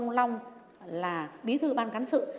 mà ông long là bí thư ban cán sự